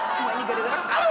semua ini gara gara